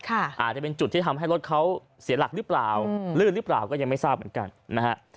อาจจะเป็นจุดที่ทำให้รถเขาเสียหลักหรือเปล่าลื่นหรือเปล่าก็ยังไม่ทราบเหมือนกันนะฮะ